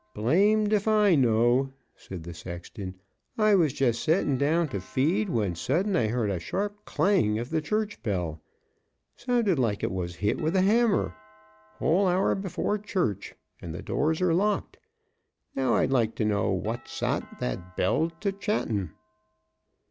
"Blamed if I know," said the sexton; "I was jest settin' down to feed, when sudden I heard a sharp clang of the church bell. Sounded like it was hit with a hammer. Whole hour before church, and the doors are locked. Now I'd like to know what sot that bell to chantin'."